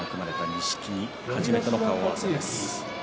錦木初めての顔合わせです。